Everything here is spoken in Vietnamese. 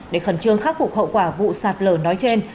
để khẩn trương khắc phục hậu quả vụ sạt lở nói trên